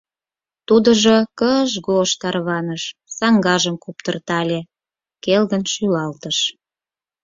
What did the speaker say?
Тудыжо кыж-гож тарваныш, саҥгажым куптыртале, келгын шӱлалтыш.